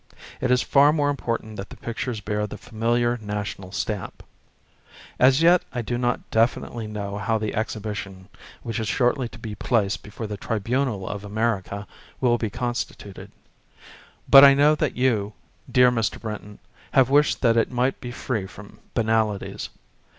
It is far more important that the pictures bear the familiar national stamp. As yet I do not definitely know how the exhib ition which is shortly to be placed before the tribunal of America will be constituted. But I know that you, dear Mr. Brinton, have wished that it might be free from banalities.